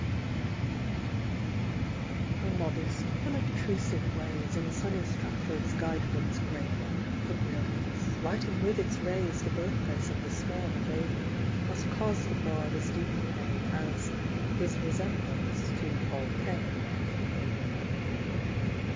Her modest, unobtrusive ways, In sunny StratfordŌĆÖs guide books graven, Her brilliance, lighting with its rays The birthplace of the Swan of Avon, Must cause the Bard as deep a pain As his resemblance to Hall Caine.